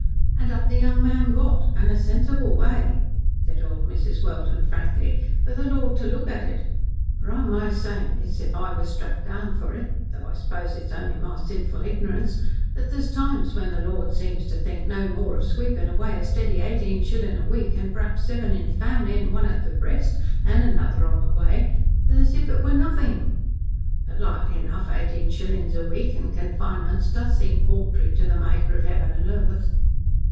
An' up the young man got. An' a sensible way," said old Mrs. Welden frankly, "for the Lord to look at it for I must say, miss, if I was struck down for it, though I s'pose it's only my sinful ignorance that there's times when the Lord seems to think no more of sweepin' away a steady eighteen shillin' a week, and p'raps seven in family, an' one at the breast, an' another on the way than if it was nothin'. But likely enough, eighteen shillin' a week an' confinements does seem paltry to the Maker of 'eaven an' earth."